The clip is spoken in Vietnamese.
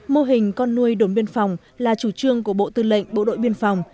mô hình con nuôi đồn biên phòng là chủ trương của bộ tư lệnh bộ đội biên phòng